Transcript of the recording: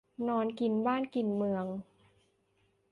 นอนกินบ้านกินเมือง